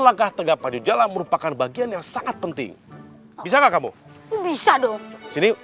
langkah tegap maju jalan merupakan bagian yang sangat penting bisa kamu bisa dong sini